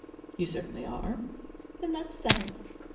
"You certainly are." "Then that's settled.